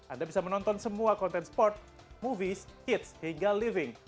anda bisa menonton semua konten sport movies hits hingga living